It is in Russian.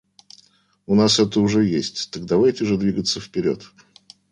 У нас это уже есть; так давайте же двигаться вперед.